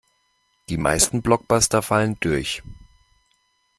Die meisten Blockbuster fallen durch.